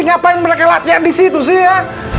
ngapain mereka latihan disitu sih ya